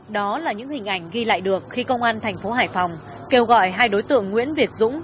đó là những hình ảnh ghi lại được khi công an thành phố hải phòng kêu gọi hai đối tượng nguyễn việt dũng